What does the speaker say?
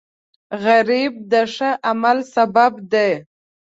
غریب د ښه عمل سبب دی